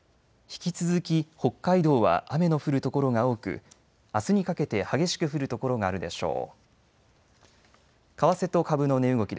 引き続き北海道は雨の降る所が多くあすにかけて激しく降る所があるでしょう。